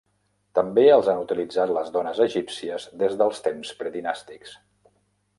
També els han utilitzat les dones egípcies des dels temps predinàstics.